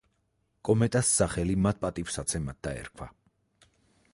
კომეტას სახელი მათ პატივსაცემად დაერქვა.